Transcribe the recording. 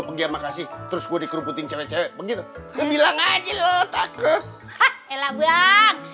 pergi makasih terus gue dikerupukin cewek cewek bilang aja loh takut